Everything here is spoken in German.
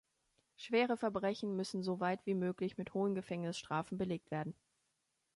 Schwere Verbrechen müssen soweit wie möglich mit hohen Gefängnisstrafen belegt werden.